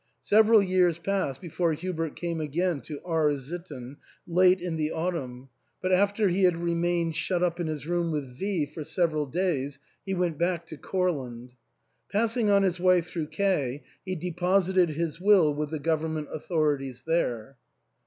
Sev eral years passed before Hubert came again to R — sit ten, late in the autumn, but after he had remanied shut up in his room with V for several days, he went back to Courland. Passing on his way through K , he deposited his will with the government authorities there.